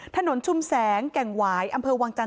ถนนชุ่มแสงแก่งหวายอำเภอวางจันทร์